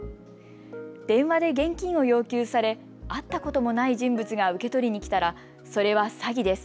電話で現金を要求され会ったこともない人物が受け取りに来たらそれは詐欺です。